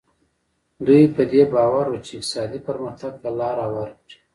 دوی په دې باور وو چې اقتصادي پرمختګ ته لار هواره کړي.